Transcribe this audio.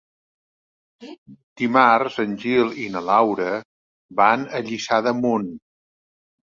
Dimarts en Gil i na Laura van a Lliçà d'Amunt.